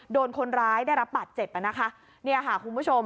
โดนคนร้ายได้รับบาดเจ็บอ่ะนะคะเนี่ยค่ะคุณผู้ชม